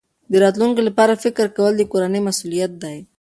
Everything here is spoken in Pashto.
د راتلونکي لپاره فکر کول د کورنۍ مسؤلیت دی.